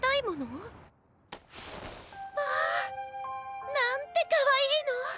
まあなんてかわいいの！